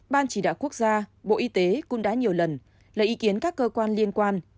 ban chỉ đạo quốc gia bộ y tế cũng đã nhiều lần lấy ý kiến các cơ quan liên quan